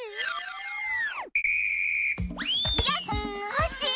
コッシー！